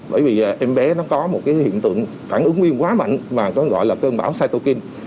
bởi vì em bé nó có một cái hiện tượng phản ứng viêm quá mạnh và nó gọi là cơn bão cytokine